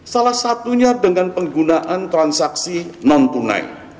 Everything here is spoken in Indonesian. salah satunya dengan penggunaan transaksi non tunai